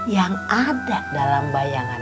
yang ada dalam bayangan